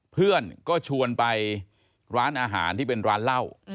เพื่อนก็ชวนไปร้านอาหารที่เป็นร้านเหล้า